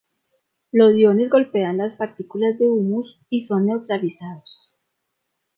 Los iones golpean las partículas de humos y son neutralizados.